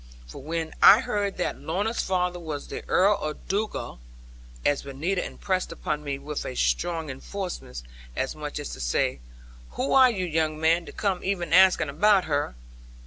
For when I heard that Lorna's father was the Earl of Dugal as Benita impressed upon me with a strong enforcement, as much as to say, 'Who are you, young man, to come even asking about her?'